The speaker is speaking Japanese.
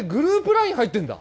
ＬＩＮＥ入ってんだ！？